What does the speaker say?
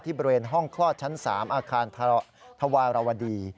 บริเวณห้องคลอดชั้น๓อาคารธวารวดี